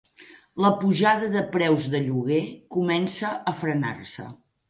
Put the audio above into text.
La pujada dels preus de lloguer comença a frenar-se